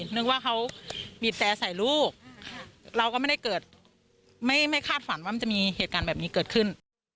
นึกว่าเขาบีบแต่ใส่ลูกเราก็ไม่ได้เกิดไม่คาดฝันว่ามันจะมีเหตุการณ์แบบนี้เกิดขึ้น